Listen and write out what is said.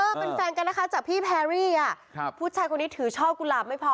เป็นแฟนกันนะคะจากพี่แพรรี่อ่ะครับผู้ชายคนนี้ถือช่อกุหลาบไม่พอ